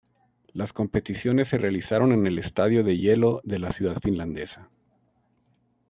Las competiciones se realizaron en el Estadio de Hielo de la ciudad finlandesa.